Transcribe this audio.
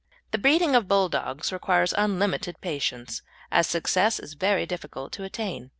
The breeding of Bulldogs requires unlimited patience, as success is very difficult to attain.